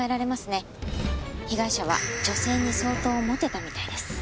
被害者は女性に相当モテたみたいです。